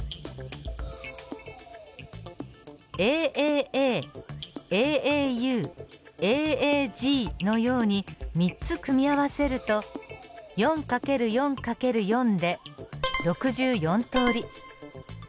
ＡＡＡＡＡＵＡＡＧのように３つ組み合わせると４×４×４で６４通り。